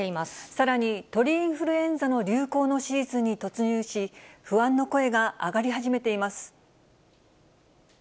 さらに、鳥インフルエンザの流行のシーズンに突入し、不安の声が上がり始めています。